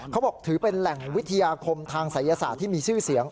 เขาบอกถือเป็นแหล่งวิทยาคมทางศัยศาสตร์ที่มีชื่อเสียง